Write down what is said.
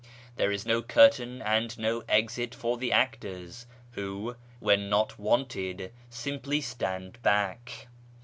Tliere is no curtain and no exit for the actors, who, when not wanted, simply stand back.